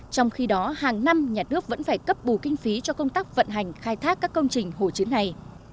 trong khi đó hàng năm nhà nước vẫn phải cấp bù kinh phí cho công tác vận hành khai thác các công trình hồ chứa này